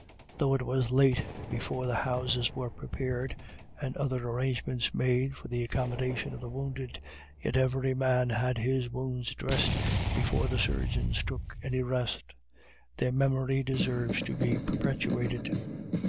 Though it was late before the houses were prepared, and other arrangements made for the accommodation of the wounded, yet every man had his wounds dressed before the surgeons took any rest. Their memory deserves to be perpetuated.